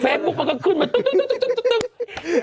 บุ๊กมันก็ขึ้นมาตึ๊ก